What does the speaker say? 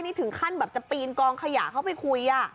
นี่ถึงขั้นแบบจะปีนกองขยะเข้าไปคุย